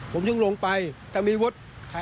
ผมที่ลงไปจงมีวด